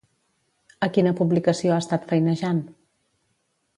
A quina publicació ha estat feinejant?